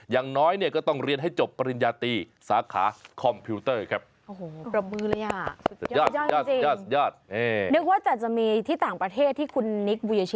อย่างน้อยเนี่ยก็ต้องเรียนให้จบปริญญาตีสาขาคอมพิวเตอร์ครับ